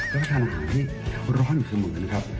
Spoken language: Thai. และก็ทานอาหารที่ร้อนอยู่เสมือนนะครับ